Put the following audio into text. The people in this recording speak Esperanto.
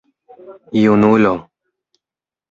junulo